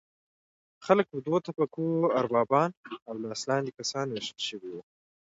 خلک په دوه طبقو اربابان او لاس لاندې کسان ویشل شوي وو.